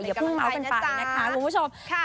อย่าเพิ่งเมาส์กันไปนะคะคุณผู้ชม